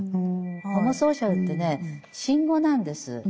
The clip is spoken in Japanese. ホモソーシャルってね新語なんです。